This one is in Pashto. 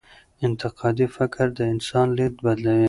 انتقادي فکر د انسان لید بدلوي.